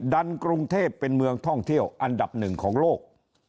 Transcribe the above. กรุงเทพเป็นเมืองท่องเที่ยวอันดับหนึ่งของโลก